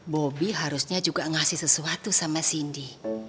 bobi harusnya juga ngasih sesuatu sama cindy